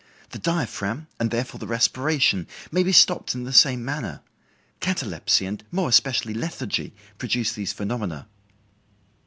The diaphragm—and therefore the respiration—may be stopped in the same manner. Catalepsy and more especially lethargy, produce these phenomena."